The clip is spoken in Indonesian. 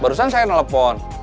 barusan saya nelfon